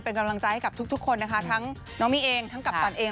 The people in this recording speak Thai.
เป็นกำลังใจให้กับทุกคนนะคะทั้งน้องมิเองทั้งกัปตันเอง